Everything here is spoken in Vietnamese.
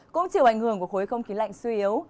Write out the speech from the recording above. cũng chịu ảnh hưởng của khối không khí lạnh suy yếu